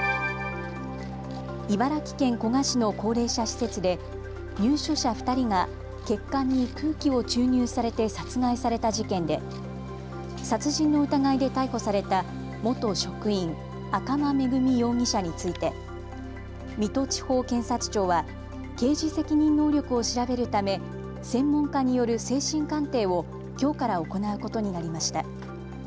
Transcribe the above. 茨城県古河市の高齢者施設で入所者２人が血管に空気を注入されて殺害された事件で殺人の疑いで逮捕された元職員、赤間恵美容疑者について水戸地方検察庁は刑事責任能力を調べるため専門家による精神鑑定をきょうから行うことになりました。